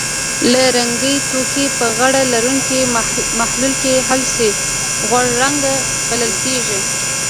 که رنګي توکي په غوړ لرونکي محلل کې حل شي غوړ رنګ بلل کیږي.